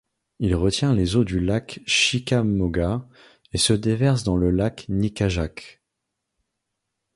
Il retient les eaux du lac Chickamauga et se déverse dans le lac Nickajack.